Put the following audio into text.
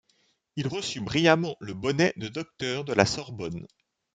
Il reçut brillamment le bonnet de docteur de la Sorbonne.